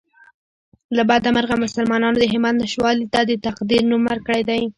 له بده مرغه مسلمانانو د همت نشتوالي ته د تقدیر نوم ورکړی دی